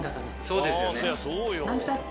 そうですよね。